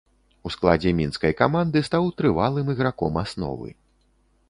У складзе мінскай каманды стаў трывалым іграком асновы.